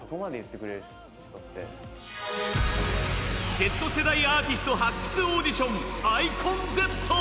Ｚ世代アーティスト発掘オーディションｉＣＯＮＺ。